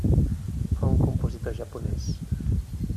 Fou un compositor japonès.